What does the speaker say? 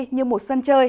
như một sân chơi